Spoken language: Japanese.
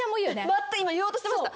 今言おうとしてました。